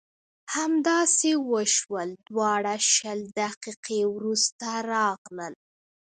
همداسې وشول دواړه شل دقیقې وروسته راغلل.